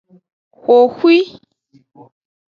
Xoxoi.